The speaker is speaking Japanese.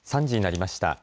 ３時になりました。